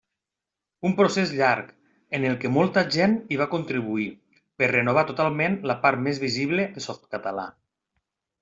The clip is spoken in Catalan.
Un procés llarg, en el que molta gent hi va contribuir, per renovar totalment la part més visible de Softcatalà.